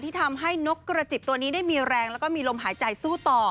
ทำให้นกกระจิบตัวนี้ได้มีแรงแล้วก็มีลมหายใจสู้ต่อ